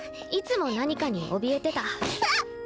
いつも何かにおびえてたあっ！